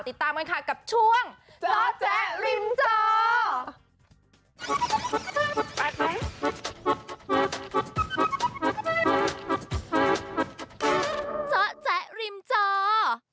ติดตามกันค่ะกับช่วงเจาะแจ๊ริมจอ